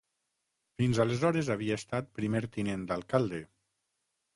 Fins aleshores havia estat primer tinent d'alcalde.